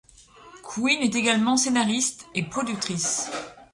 Quinn est également scénariste et productrice.